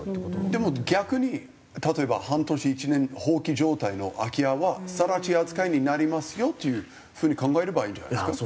でも逆に例えば半年１年放棄状態の空き家は更地扱いになりますよっていう風に考えればいいんじゃないですか？